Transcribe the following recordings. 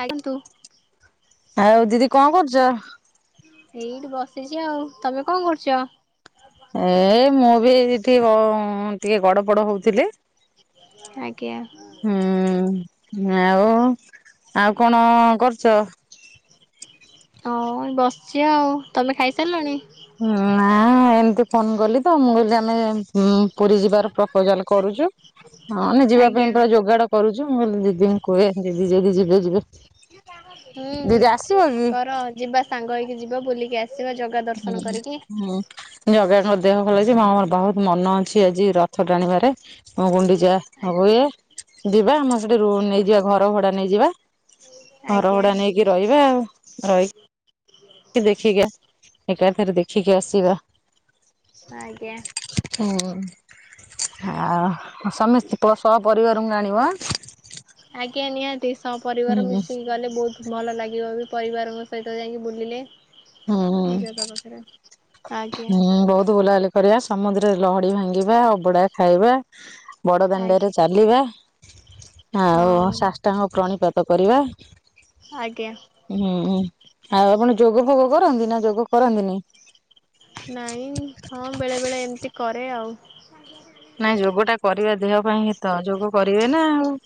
ଆ କିନ୍ତୁ ଆଉ ଦିଦି କଣ କରୁଚ? ଏଇଠି ବସିଚି। ଆଉ ତମେ କଣ କରୁଚ? ଏ ମୁଁ ବି ଏଠିକି ଟିକେ ଗଡ ପଡ ହଉଥିଲି। ଆଜ୍ଞା। ହୁଁ ଆଉ ଆଉ କଣ କରୁଚ? ହଁ ବସିଚି ଆଉ ତମେ ଖାଇସାରିଲଣି? ନା ଏମତି ଫୋନ କଲି। ତ ମୁ କହିଲି ଆମେ ପୁ ପୁରୀ ଯିବାର ପ୍ରପୋଜାଲ କରୁଛୁ। ହିଁ ଆମେ ଯିବା ଆଜ୍ଞା ପାଇଁ ଯୋଗାଡ଼ କରୁଛୁ ମୁଁ କହିଲି ଦିଦି ଙ୍କୁ କହେ ଦିଦି ଯଦି ଯିବେ ଯିବେ। ହଁ ଦିଦି ଆସିବ କି? କର ଯିବା ସାଙ୍ଗ ହେଇକି ଯିବା ବୁଲିକି ଆସିବା ଜଗ ହୁଁ ହୁଁ ଜଗାଙ୍କର ଦେହ ଭଲଛି ମା ମୋର ବହୁତ ମନ ଅଛି ଆଜି ରଥ ଟାଣିବାରେ ହଁ ଗୁଣ୍ଡିଚା ଯିବା ହବ ଆଜ୍ଞା ଯଦି ଯିବା ଆମର ସେଠି ରୁମ୍ ନେଇଯିବା ଘର ଭଡା ନେଇଯିବା ଆଜ୍ଞା ଘରଭଡା ନେଇକି ରହିବା ଆଉ ଦେଖିକି ଏକାଥରେ ଦେଖିକି ଆସିବା। ଆଜ୍ଞା, ହୁଁ। ଆଉ ସମସ୍ତ ସ ପରରିବାରଙ୍କୁ ଆଣିବ ହାଁ ଆଜ୍ଞା ନିହାତି ସହ ହୁଁ ପରିବାର ହୁଁ। ମିଶିକି ଗଲେ ବହୁତ ଭଲ ଲାଗିବ ବି ପରିବାରଙ୍କ ସହିତ ଯାଇକି ବୁଲିଲେ। ହୁଁ ହଁ ଜଗା ପାଖରେ ଆଜ୍ଞା ହୁଁ ବହୁତ ଭଲ ହେଲେ କରିବା ସମୁଦ୍ରରେ ଲହଡି ଭାଙ୍ଗିବା ଅବଡା ଖାଇବା ବଡ ଆଜ୍ଞା ଦାଣ୍ଡରେ ଚାଲିବା ଆଉ ହଁ ସାଷ୍ଟାଙ୍ଗ ପ୍ରଣିପାତ କରିବା ଆଜ୍ଞା! ହୁଁ ହୁଁ ଆଉ ଆପଣ ଯୋଗ ଫୋଗ କରନ୍ତି ନା ଯୋଗ କରନ୍ତିନି। ନାଇଁ ହଁ ବେଳେ ବେଳେ ଏମିତି କରେ ଆଉ [inaudible] ନାଇଁ ଯୋଗ ଟା କରିବା ଦେହ ପାଇଁ ହିତ ଯୋଗ କରିବେ ନା ଆଉ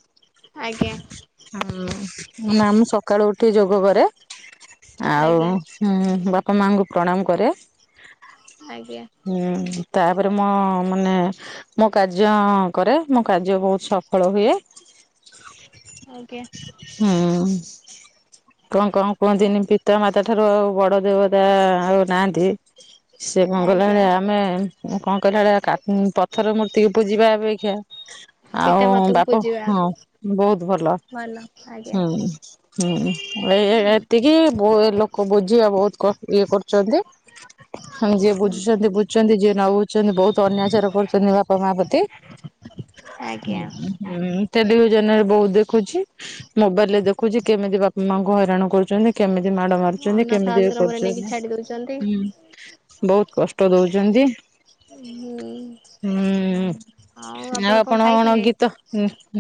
ଆଜ୍ଞା ହଁ ନା ମୁଁ ସକାଳୁ ଉଠି ଯୋଗ କରେ, ଆଉ ଆଜ୍ଞା ବାପା ମା ଙ୍କୁ ପ୍ରଣାମ କରେ ଆଜ୍ଞା! ହୁଁ ତାପରେ ମୁଁ ମାନେ ମୋ କାର୍ଯ୍ୟ କରେ ମୋ କାର୍ଯ୍ୟ ବହୁତ ସଫଳ ହୁଏ ଆଜ୍ଞା ହୁଁ କଣ କଣ କହନ୍ତିିନି ପିତା ମାତା ଠାରୁ ଆଉ ବଡ ଦେବତା ଆଉ ନାହାନ୍ତି ସେ କଣ ଗଲା ଆଜ୍ଞା ଭଳିଆ ଆମେ କଣ କରିବା ଭଳିଆ ପଥର ମୂର୍ତ୍ତିକୁ ପୂଜିବା ଅପେକ୍ଷା ଆଉ ପିତା ମାତାଙ୍କୁ ବାପ ପୂଜିବା ହଁ ବହୁତ ଭଲ ହୁଁ ହୁଁ ଏଇ ଏତିକି ଲୋକ ବୁଝିବା ବହୁତ କ ଇଏ କରୁଛନ୍ତି ହଁ ଯିଏ ହୁଁ ବୁଝୁଛନ୍ତି ବୁଝୁଛନ୍ତି ଯିଏ ନ ବୁଝୁଛନ୍ତି ବହୁତ ଅନ୍ୟାଚାର କରୁ ନ୍ତି ବାପା ମା ପ୍ରତି ଆଜ୍ଞା। ମୁଁ ଟେଲିଭିଜନ ରେ ବହୁତ ଦେଖୁଛି ମୋବାଇଲ ରେ ଦେଖୁଛି କେମିତି ବାପା ମାଙ୍କୁ ହଇରାଣ କରୁଛନ୍ତି କେମିତି ମାଡ ମାରୁଛନ୍ତି ଅନାଥ କେମିତି ଇ ଏ ଆଶ୍ରମରେ ନେଇକି କରୁଛନ୍ତି ଛାଡି ଦଉଛନ୍ତି ହୁଁ ବହୁତ କଷ୍ଟ ଦଉଛନ୍ତି ହୁଁ ହୁଁ ଆଉ ଆପଣ କଣ ଗୀତ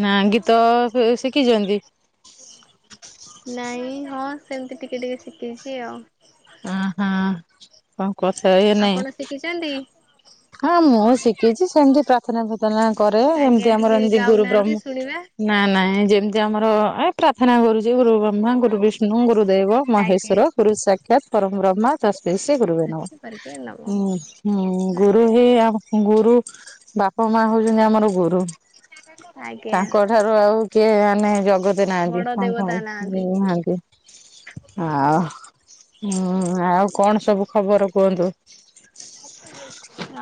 ନା ଗୀତ ଶିଖିଛନ୍ତି ନାଇଁ ହଁ ସେମିତି ଟିକେ ଟିକେ ଶିଖିଛି ଆଉ ଅହଁ ହଁ କଣ କଥା ଇଏ ନାଇଁ କିଛନ୍ତି ହଁ ମୁଁ ଶିଖିଛି ସେମିତି ପ୍ରାର୍ଥନା ପ୍ରାର୍ଥନା କରେ ଆଜ୍ଞା ଏମିତି ଟିକେ ଆମର ଏମତି ଗୁରୁ ବ୍ରହ୍ମ ଗାଉନାହାନ୍ତି ଶୁଣିବା। ନା ନାଇଁ ଯେମିତି ଆମର ଏ ପ୍ରାର୍ଥନା କରୁଛି ଗୁରୁ ବ୍ରହ୍ମା ଗୁରୁ ବିଷ୍ଣୁ ଗୁରୁଦେବ ଆଜ୍ଞା ମହେଶ୍ଵର ଗୁରୁ ସାକ୍ଷାତ ପରମ ବ୍ରହ୍ମା ତସମେଇ ଶ୍ରୀ ଗୁରୁବେ ନମଃ ଉଚ୍ଚ ପରିକେ ନମଃ ହୁଁ ହୁଁ। ଗୁରୁ ଆଜ୍ଞା ହି ଗୁରୁ ବାପା ମା ହଉଛନ୍ତି ଆମର ଗୁରୁ। ଆଜ୍ଞା। ତାଙ୍କ ଠାରୁ ଆଉ କିଏ ମାନେ ଜଗତ ବଡ ନାହାନ୍ତି କଣ ଦେବତା ନାହାନ୍ତି କନ୍ତି ନାହାନ୍ତି। ଆଉ ହଁ ଆଉ କଣ ସବୁ ଖବର କୁହନ୍ତୁ?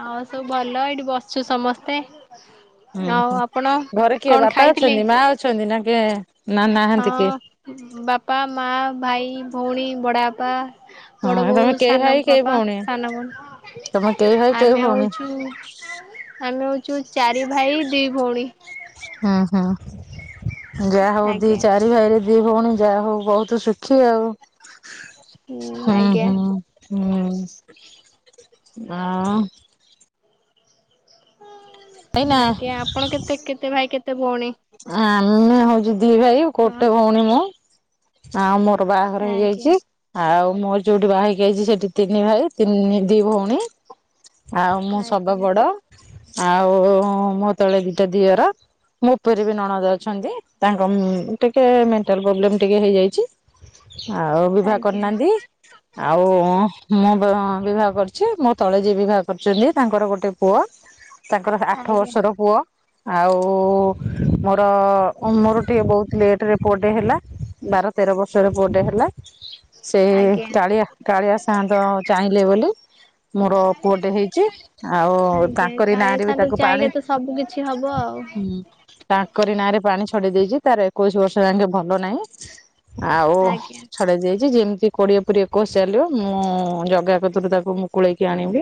ଆଉ ସବୁ ଭଲ ଏଇଠି ବସଛୁ ସମସ୍ତେ। ହୁଁ ଆଉ ହଁ ଆପଣ ଘରେ କିଏ କଣ ବାପା ଖାଇଥିଲେ? ଅଛନ୍ତି ମା ଅଛନ୍ତି ନା କିଏ? ନା ନାହାନ୍ତି କିଏ? ହଁ ବାପା ମା ଭାଇ ଭଉଣୀ ବଡ଼ ବାପା। ବଡ ହଁ ତମେ ବୋଉ କେଇ ସାନ ଭାଇ କେଇ ବାପା ଭଉଣୀ ସାନ ଭଉଣୀ ତମେ କେଇ ଭାଇ କେଇ ଆମେ ଭଉଣୀ? ହଉଛୁ ଆମେ ହଉଛୁ ଚାରି ଭାଇ ଦି ଭଉଣୀ। ହୁଁ ହୁଁ ଯାହା ହଉ ଦି ଆଜ୍ଞା ଚାରି ଚାରି ଭାଇରେ ଦି ଭଉଣୀ ଯା ହଉ ବହୁତ ସୁଖୀ ଆଉ ହୁଁ ହୁଁ। ହୁଁ ଆ ଏଇନା ଆଜ୍ଞା ଆପଣ କେତେ କେତେ ଭାଇ କେତେ ଭଉଣୀ? ଆମେ ହଉଛୁ ଦି ଭାଇ ହଁ ଗୋଟେ ଭଉଣୀ ମୁଁ। ଆଉ ମୋର ବାହାଘର ଆଜ୍ଞା ହେଇଯାଇଛି। ଆଉ ମୋର ଯୋଉଠି ବାହା ହେଇକ ଆଇଚି ସେଠି ତିନି ଭାଇ ତିନି ଦି ଭଉଣୀ। ଆଉ ମୁଁ ଶବା ଆଜ୍ଞା ବଡ ଆଉ ମୋ ତଳେ ଦିଟା ଦିଅର। ମୋ ଉପରେ ବି ନଣଦ ଅଛନ୍ତି ତାଙ୍କ ଟିକେ ମେଣ୍ଟାଲ ପ୍ରୋବ୍ଲେମ୍ ଟିକେ ହେଇଯାଇଛି। ଆଉ ବିବାହ ଆଜ୍ଞା କରିନାହାନ୍ତି। ଆଉ ମୁଁ ବିବାହ କରିଛି ମୋ ତଳେଜିଏ ବିବାହ କରିଛନ୍ତି ତାଙ୍କର ଗୋଟେ ପୁଅ। ତାଙ୍କର ଆଠ ଆଜ୍ଞା ବର୍ଷର ପୁଅ ଆଉ ମୋର ମୋର ଟିକି ବହୁତ ଲେଟ୍ରରେ ପୁଅଟେ ହେଲା ବାର ତେର ବର୍ଷରେ ପୁଅଟେ ହେଲା। ସେ ଆଜ୍ଞା କାଳିଆ କାଳିଆ ସାନ୍ତ ଚାହିଁଲେ ବୋଲି। ମୋର ପୁଅଟେ ହେଇଛି ଆଉ ଆଜ୍ଞା ତାଙ୍କରି କାଳିଆ ନାଁରେ ବି ସାର୍ ତାକୁ ଚାହିଁଲେ ପାଣି ତ ସବୁ କିଛି ହବ ଆଉ ହୁଁ ତାଙ୍କରି ନାଁରେ ପାଣି ଛଡେଇ ଦେଇଛି ତାର ଏକୋଇଶି ବର୍ଷ ଯାକେ ଭଲ ନାହିଁ। ଆଉ ଆଜ୍ଞା ଛଡେଇ ଦେଇ ଯେମିତି କୋଡ଼ିଏ ପୁରି ଏକୋଇଶି ଚାଲିବ ମୁଁ ଜଗା କତିରୁ ତାକୁ ମୁକୁଳେଇକି ଆଣିବି।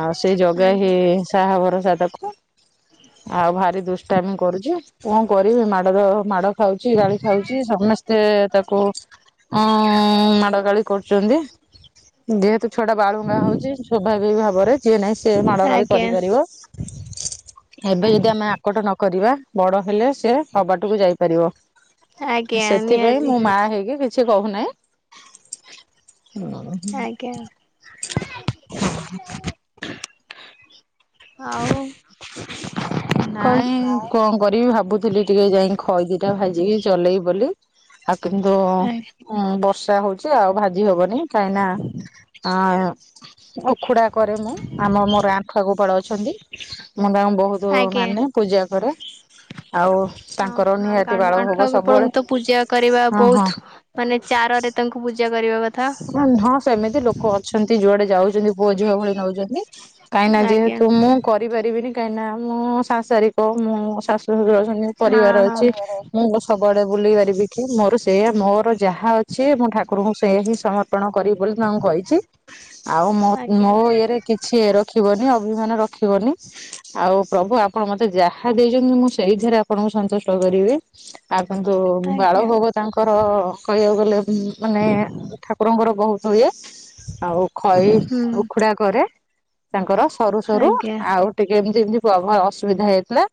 ଆଉ ସେ ଜଗା ହି ଆଜ୍ଞା ସାହା ଭରସା ତାକୁ ଆଉ ଭାରି ଦୁସ ଦୁଷ୍ଟାମି କରୁଛି କଣ କରିବି ମାଡ଼ର ମାଡ଼ ଖାଉଛି ଗାଳି ଖାଉଛି ସମେସ୍ତେ ତାକୁ ଉଁ ମାଡ ଗାଳି କରୁଛନ୍ତି। ଯେହେତୁ ଛୁଆଟା ବାଳୁଙ୍ଗା ହଉଛି ସୂଭାବିକ ଭାବରେ ଯିଏ ନାହିଁ ସିଏ ମାଡ ଗାଳି ଆଜ୍ଞା କରିପାରିବ। ଏବେ ଯଦି ଆମେ ଆକଟ ନ କରିବାବଡ ହେଲେ ସେ ଅବାଟକୁ ଯାଇପାରିବ। ଆଜ୍ଞା ସେଥିପାଇଁ ନିହାତି ମୁଁ ମା ହେଇକି କିଛି କହୁନାହିଁ। ଆଜ୍ଞା। ଆଉ। କଣ ନାଇଁ କଣ କରିବି ଭାବୁଥିଲି ଟିକେ ଯାଇ ଖଇଦିଟା ଭାଜିକି ଚଲେଇବି ବୋଲି। ଆ କିନ୍ତୁ ଉଁ ବର୍ଷା ହଉଛି ଆଉ ଭାଜି ହବନି କାହିଁକି ନା ଆ ଉଖୁଡ଼ା କରେ ମୁଁ ଆମ ମୋର ଆଣ୍ଠୁଆ ଗୋପାଳ ଅଛନ୍ତି। ମୁ ତାଙ୍କୁ ବହୁତ ଆଜ୍ଞା ମାନେ ପୂଜା କରେ। ଆଉ ହଁ ତାଙ୍କର ନିହାତି ବାଳ ଭୋଗ ଆଣ୍ଠୁଆ ସବୁବେଳେ ଗୋପାଳଙ୍କୁ ତ ପୂଜା କରିବା ହଁ ହଁ ବହୁତ ମାନେ ଚାରରେ ତାଙ୍କୁ ପୂଜା କରିବା କ ହଁ ସେମିତି ଲୋକ ଅଛନ୍ତି ଯୁଆଡେ ଯାଉଛନ୍ତି ପୁଅ ଝିଅ ଭଳି ନଉଛନ୍ତି। କାହିଁକିନା ଆଜ୍ଞା ଯେହେତୁ ମୁଁ କରିପାରିବିନି କାହିଁକିନା ମୁଁ ସାଂସାରିକ ମୁଁ ଶାଶୁ [unintelligible] ପରିବାର ହଁ ଅଛି। ହଁ। ମୁଁ ସବୁଆଡେ ବୁଲିପାରିବି କି ମୋର ସେୟା ମୋର ଯାହା ଅଛି ମୁଁ ଠାକୁରଙ୍କୁ ସେଇଆ ହିଁ ସମର୍ପଣ କରିବି ବୋଲି ତାଙ୍କୁ କହିଛି ଆଉ ଆଜ୍ଞା ମୋ ଇଏରେ କିଛି ରଖିବନି ଅଭିମାନ ରଖିବନି। ଆଉ ପ୍ରଭୁ ଆପଣ ମତେ ଯାହା ଦେଇଛନ୍ତି ମୁଁ ସେଇଥିରେ ଆପଣଙ୍କୁ ସନ୍ତୁଷ୍ଟ କରିବି। ଆଉ କିନ୍ତୁ ଆଜ୍ଞା ବାଳଭୋଗ ତାଙ୍କର କହିବାକୁ ଗଲେ ମାନେ ତାଙ୍କର ବହୁତ ହୁଏ ଆଉ ଖଇ ହୁଁ ଉଖୁଡା କରେ ତାଙ୍କର ସରୁ ସରୁ ଆଜ୍ଞା ଆଉ ଟିକେ ଏମିତି ଏମିତି ପ୍ରଭୁ ଅସୁବିଧା ହେଇଥିଲା।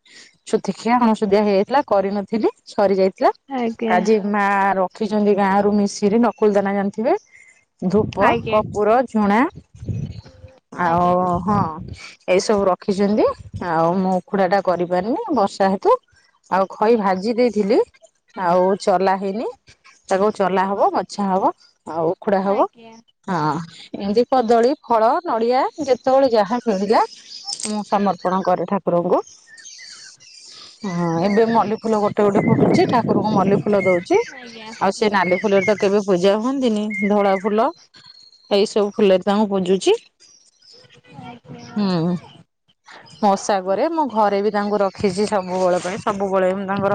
ଛୁତିିକିଆ ଅଣସୁଧିଆ ହେଇଯାଇଥିଲା କରିନଥିଲି ସରିଯାଇ ଥିଲା ଆଜ୍ଞା ଆଜି ମା ରଖିଛନ୍ତି ଗାଁରୁ ମିଶରି ନକୁଳ ଦାନା ଜାଣିଥିବେ? ଧୂପ ଆଜ୍ଞା। ଆଜ୍ଞା କର୍ପୁର ଝୁଣା। ଆଉ ହଁ ଏଇସବୁ ର ରଖିଛନ୍ତି ଆଉ ମୁଁ ଉଖୁଡ଼ା ଟା କରିପାରିନି ବର୍ଷା ହେତୁ। ଆଉ ଖଇ ଭାଜି ଦେଇଥିଲି ଆଉ ଚଲା ହେଇନି। ତାକୁ ଚଲା ହବ ବଛା ହବ ଆଉ ଉଖୁଡା ହବ। ଆଜ୍ଞା ହଁ ଏମତି କଦଳୀ ଫଳ ନଡ଼ିଆ ଯେତେବେଳେ ଯାହା ମିଳିଲା। ମୁଁ ସମର୍ପଣ କରେ ଠାକୁରଙ୍କୁ। ହଁ ଏବେ ମଲ୍ଲି ଫୁଲ ଗୋଟେ ଗୋଟେ ଫୁଟୁଛି ଠାକୁରଙ୍କୁ ମଲ୍ଲି ଫୁଲ ଦଉଛି। ଆଉ ସେ ନାଲି ଫୁଲ ରେ ତ କେବେ ପୂଜା ହୁଅନ୍ତିନି ଧଳା ଫୁଲ ଏଇ ସବୁ ଫୁଲରେ ତାଙ୍କୁ ପୂଜୁଛି। [unintelligible] ହୁଁ। ମୁଁ ଓଷା କରେ ମୋ ଘରେ ବି ତାଙ୍କୁ ରଖିଛି ସବୁବେଳେ ପାଇଁ ସବୁବେଳେ ମୁଁ ତାଙ୍କର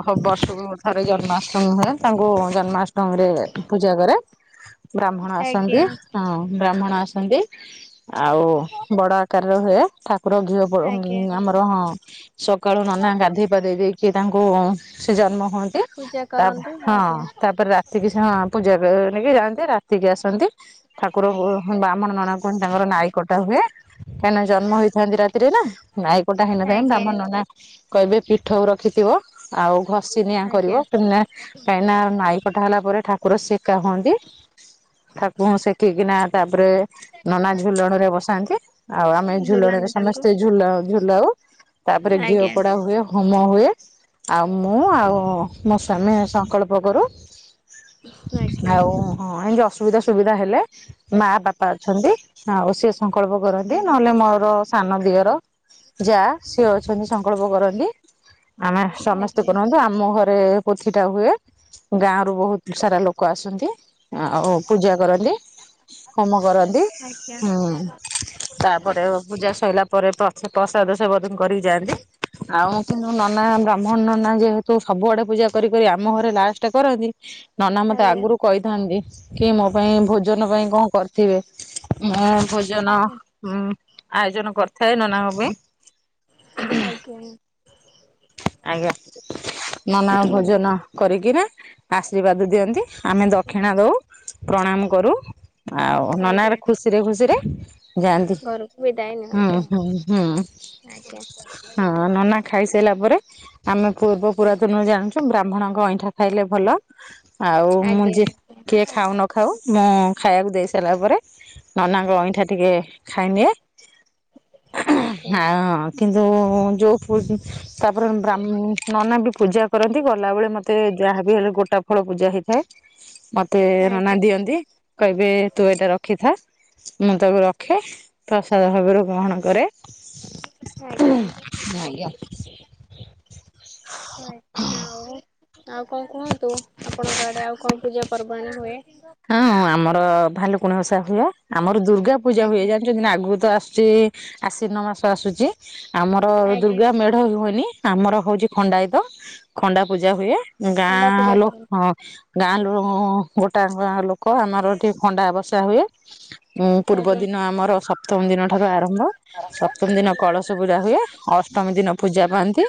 ବ ବର୍ଷକୁ ଥରେ ଜନ୍ମାଷ୍ଟମୀ ହୁଏ ତାଙ୍କୁ ଜନ୍ମାଷ୍ଟମୀରେ ପୂଜା କରେ ବ୍ରାହ୍ମଣ ଆଜ୍ଞା ଆଜ୍ଞା ଆସନ୍ତି ହଁ ବ୍ରାହ୍ମଣ ଆସନ୍ତି। ଆଉ ବଡ ଆକାରରେ ହୁଏ ଠାକୁର ଘିଅ ପୋ ଆମର ଆଜ୍ଞା। ହଁ। ସକାଳୁ ନନା ଗାଧୋଇ ପାଧେଇ ଦେଇକି ତାଙ୍କୁ ସେ ଜନ୍ମ ହୁଅନ୍ତି। ପୂଜା ତା କରନ୍ତି ହଁ ଆଜ୍ଞା ତାପରେ ରାତି ବି ସେମାନେ ଆ ପୂଜା କରିବାକୁ ନେଇକି ଯାଆନ୍ତି ରାତିକି ଆସନ୍ତି। ଠାକୁରଙ୍କୁ ବ୍ରାହ୍ମଣ ନନା କୁହନ୍ତି ତାଙ୍କର ନାଇ କଟା ହୁଏ। କାହିଁକିନା ଜନ୍ମହେଇଥାନ୍ତି ରାତିରେ ନା ନାଇକଟା ହେଲେ ଯାଇଁ ଆଜ୍ଞା ବ୍ରାହ୍ମଣ ନନା କହିବେ ପିଠଉ ରଖିଥିବ ଆଉ ଘଷି ନିିଆଁ କରିବ ଆଜ୍ଞା ପୁଣି ନି କାହିଁକି ନା ନାଇ କଟା ହେଲା ପରେ ଠାକୁର ସେକା ହୁଅନ୍ତି ଠାକୁରଙ୍କୁ ସେକିକିନା ତାପରେ ନନା ଝୁଲଣ ରେ ବସାନ୍ତି ଆଉ ଆମେ ଝୁଲାନ୍ତି ଝୁଲଣରେ ତାଙ୍କୁ ସମସ୍ତେ ଝୁଲ ଝୁଲାଉ। ତାପରେ ଘିଅ ଆଜ୍ଞା ପୋଡା ହୁଏ। ହୋମ ହୁଏ ଆଉ ମୁଁ ଆଉ ମୋ ସ୍ବାମୀ ସଂକଳ୍ପ କରୁ। ଆଜ୍ଞା ଆଉ ହଁ ଏମତି ଅସୁବିଧା ସୁବିଧା ହେଲେ ମା ବାପା ଅଛନ୍ତି ଆ ଆଉ ସିଏ ସଂକଳ୍ପ କରନ୍ତି ନହେଲେ ମୋର ସାନ ଦିଅର ଯା ସିଏ ଅଛନ୍ତି। ସଂକଳ୍ପ କରନ୍ତି ଆମେ ସମସ୍ତେ ଆଜ୍ଞା କରନ୍ତୁ ଆ ଆମ ଘରେ ପୋଥିଟା ହୁଏ ଗାଁ ରୁ ବହୁତ ସାରା ଲୋକ ଆସନ୍ତି। ଆଉ ପୂଜା କରନ୍ତି ହୋମ କରନ୍ତି ଆଜ୍ଞା ଆଜ୍ଞା ଆଜ୍ଞା ହୁଁ। ତାପରେ ପୂଜା ସଇଲା ପରେ ପ ସେ ପ୍ରସାଦ ସେ ବ କରିକି ଯାଆନ୍ତି ଆଉ କିନ୍ତୁ ନା ବ୍ରାହ୍ମଣ ନନା ଯେହେତୁ ସବୁଆଡେ ପୂଜା କରି କରି ଆମ ଘରେ ଲାଷ୍ଟ କରନ୍ତି ନନା ମୋତେ ଆଗରୁ କହିଥାନ୍ତି କି ମୋ ପାଇଁ ଭୋଜନ ପାଇଁ କଣ କରିଥିବେ। ଭୋଜନ ଆଜ୍ଞା ଉଁ ଆୟୋଜନ କରିଥାଏ ନନାଙ୍କ ପାଇଁ। ଆଜ୍ଞା ଆଜ୍ଞା ନନାଙ୍କ ଭୋଜନ କରିକି ନା ଜିବାଦ ଦିଅନ୍ତି ଆମେ ଦକ୍ଷିଣା ଦଉ ପ୍ରଣାମ କରୁ ଆଉ ଆଜ୍ଞା ନାନାଙ୍କର ଖୁସିରେ ଖୁସିରେ ଯାଆନ୍ତି। ଘରକୁ ବିଦାୟ ନିଅନ୍ତି ହୁଁ ହୁଁ ହୁଁ ଆଉ ଆଜ୍ଞା ହଁ ନନା ଖାଇସାଇଲା ପରେ ଆମେ ପୂର୍ବ ପୁରାତନରୁ ଜାଣିଛୁ ବ୍ରାହ୍ମଣଙ୍କ ଅଇଁଠା ଖାଇଲେ ଭଲ ଆଉ ଆଜ୍ଞା ମୁଁ ଯଏ ଆଜ୍ଞା କିଏ ଖାଉ ନ ଖାଉ ମୁଁ ଖାଇବାକୁ ଦେଇସାଇଲା ପରେ ନନାଙ୍କ ଅଇଁଠା ଟିକେ ଖାଇନିଏ। ଆଜ୍ଞା ଆଜ୍ଞା ଆଉ କିନ୍ତୁ ଯୋଉ ତା ପରେ ବ୍ରାମ୍ ନନା ବି ପୂଜା କରନ୍ତି ଗଲାବେଳେ ମତେ ଯାହା ବିି ହେଲେ ଗୋଟା ଫଳ ପୂଜା ହେଇଥାଏ ମତେ ନନା ଆଜ୍ଞା ଦିଅନ୍ତି କହିବେ ତୁ ଏଇଟା ରଖିଥା। ମୁଁ ତାକୁ ରଖେ ପ୍ରସାଦ ଭାବରେ ଗ୍ରହଣ କରେ। ଆଜ୍ଞା [unintelligible] ହୋଏ [unintelligible] ଆଉ କଣ କୁହନ୍ତୁ ଆପଣଙ୍କ ଆଡେ ଆଉ କଣ ପୂଜା ପର୍ବାଣୀ ହୁଏ। ହଁ ଆମର ଭାଲୁକୁଣସା ହୁଏ ଆମର ଦୁର୍ଗା ପୂଜା ହୁଏ ଆଜ୍ଞା ଜାଣି ଆଗକୁ ତ ଆସୁଛି ଆଶ୍ଵିନ ମାସ ଆସୁଛି ଆମର ଆଜ୍ଞା ଦୁର୍ଗା ମେ ଢ଼ ହୁଏନି ଆମର ହୋଉଚି ଖଣ୍ଡାୟତ ଖଣ୍ଡା ପୂଜା ହୁଏ। ଖଣ୍ଡା ଗାଁ ପୂଜା ଲୁ କରନ୍ତି ହଁ ଗାଁ ଲୋ ଗୋଟାଙ୍କ ଗାଁ ଲୋକ ଆମର ଏଠି ଖଣ୍ଡା ବସା ହୁଏ। ଉଁ ପୂର୍ବ ଆଜ୍ଞା ଦିନ ଆମର ସପ୍ତମୀ ଦିନଠାରୁ ଆରମ୍ଭ, ସପ୍ତମୀ ଦିନ କଳସ ପୁରା ହୁଏ ଅଷ୍ଟମୀ ଦିନ ପୂଜା ପାଆନ୍ତି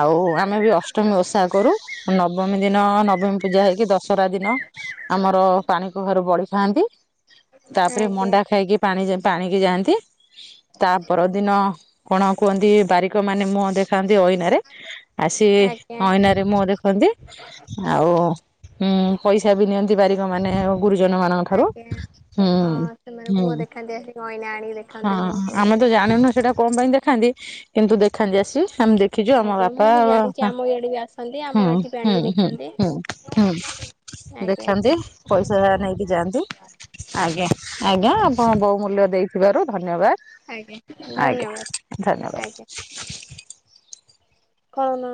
ଆଉ ଆମେ ବି ଅଷ୍ଟମୀ ଓଷା କରୁ। ନବମୀ ଦିନ ନବମୀ ପୂଜା ହେଇକି ଦଶହରା ଦିନ ଆମର ପାଣି କଖାରୁ ବଳି ଖାଆନ୍ତି ତାପରେ ଆଜ୍ଞା ମଣ୍ଡା ଖାଇକି ପାଣି ପାଣିକି ଯାଆନ୍ତି ତା ପର ଦିନ କଣ କୁହନ୍ତି ବାରିକ ମାନେ ମୁହଁ ଦେଖାନ୍ତି ଅଇନା ରେ ଆସିବେ ଅଇନା ଆଜ୍ଞା ରେ ମୁହ ଦେଖନ୍ତି ଆଉ ଉଁ ପଇସ୍ କ୍ଷା ବି ନିଅନ୍ତି ବାରିକମାନେ ଆଜ୍ଞା ଗୁରୁଜନମାନଙ୍କଠାରୁ ଆଜ୍ଞା ହୁଁ ହଁ ସେମାନେ ମୁହଁ ହୁଁ। ଦେଖାନ୍ତି ଆସିକି ଅଇନା ଆଣିକି ଦେ ହଁ ଆମେ ତ ଜାଣିନୁ ସେଇଟା କଣ ପାଇଁ ଦେଖାନ୍ତି କିନ୍ତୁ ଦେଖାନ୍ତି ଆସିକି ଆମେ ଦେଖିଛୁ ଆମ ଆଜ୍ଞା ମୁଁ ବାପା ବି ଆ ଜାଣିଛି ଆମ ଇଆଡେ ବି ଆସନ୍ତି ଆମ ହୁଁ ଏଠି ବି ହୁଁ ଆଣିକି ହୁଁ ଦେଖାନ୍ତି। ହୁଁ ହୁଁ ଆଜ୍ଞା ଦେଖାନ୍ତି ପଇସା ନେଇକି ଯାଆନ୍ତି ଆଜ୍ଞା ଆଜ୍ଞା ଆପଣ ବହୁ ମୂଲ୍ୟ ଦେଇଥିବାରୁ ଧନ୍ୟବାଦ। ଆଜ୍ଞା ଧନ୍ୟବାଦ ଆଜ୍ଞା ଆଜ୍ଞା ଧନ୍ୟବାଦ ଖଳନା